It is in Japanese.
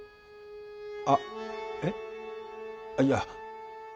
あえっいや。